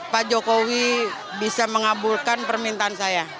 pak jokowi bisa mengabulkan permintaan saya